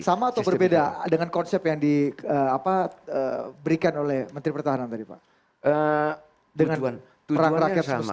sama atau berbeda dengan konsep yang diberikan oleh menteri pertahanan tadi pak